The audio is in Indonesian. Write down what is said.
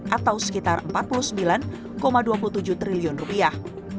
atau sekitar empat puluh sembilan dua puluh tujuh triliun rupiah